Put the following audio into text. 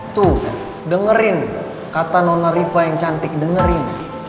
tuh dengerin kata nona riva yang cantik dengerin